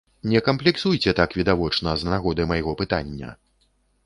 Не камплексуйце так відавочна з нагоды майго пытання.